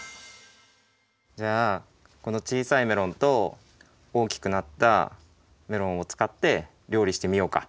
じゃあこの小さいメロンとおおきくなったメロンをつかってりょうりしてみようか。